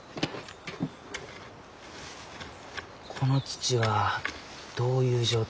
この土はどういう状態か。